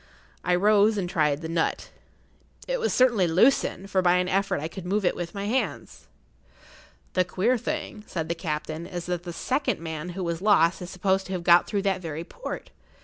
I rose and tried the nut. It was certainly loosened, for by an effort I could move it with my hands. "The queer thing," said the captain, "is that the second man who was lost is supposed to have got through that very port.